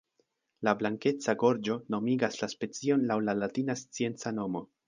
La blankeca gorĝo nomigas la specion laŭ la latina scienca nomo.